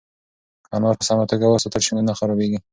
که انار په سمه توګه وساتل شي نو نه خرابیږي.